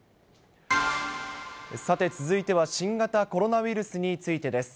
さて、続いては新型コロナウイルスについてです。